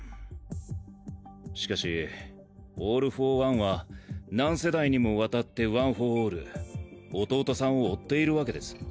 しかしオール・フォー・ワンは何世代にもわたってワン・フォー・オール弟さんを追っているわけです。